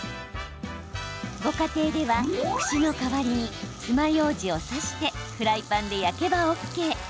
ご家庭では串の代わりにつまようじを刺してフライパンで焼けばＯＫ。